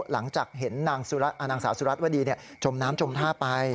หลังจากเห็นนางสาวสุรัตนวดีจมน้ำจมท่าไป